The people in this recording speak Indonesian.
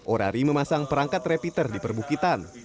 orari memasang perangkat rapiter di perbukitan